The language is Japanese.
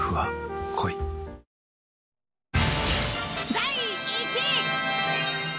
第１位。